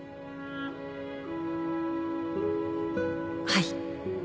はい